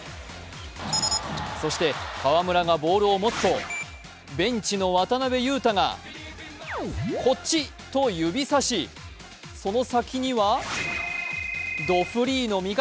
そして河村がボールを持つとベンチの渡邊雄太がこっちと指さしその先にはどフリーの味方。